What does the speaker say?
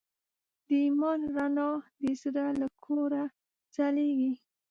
د ایمان رڼا د زړه له کوره ځلېږي.